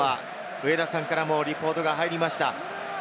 上田さんからもリポートがありました。